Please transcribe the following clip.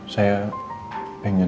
saya pengen gitu dek